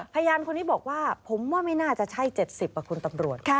พยานคนนี้บอกว่าผมว่าไม่น่าจะใช่๗๐คุณตำรวจ